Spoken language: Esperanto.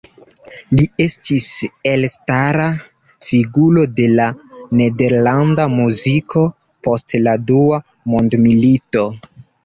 Li estis elstara figuro de la nederlanda muziko post la dua mondmilito.